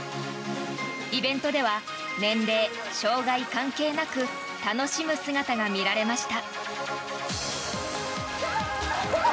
イベントでは年齢、障害関係なく楽しむ姿が見られました。